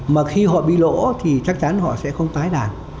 mà khi họ bị lỗ thì chắc chắn họ sẽ không tái đàn